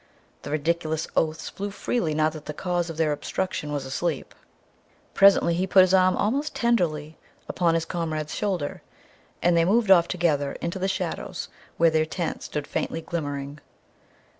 The ridiculous oaths flew freely now that the cause of their obstruction was asleep. Presently he put his arm almost tenderly upon his comrade's shoulder, and they moved off together into the shadows where their tent stood faintly glimmering.